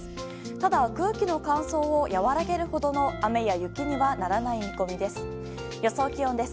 ただ空気の乾燥を和らげるほどの雨や雪にはならない見込みです。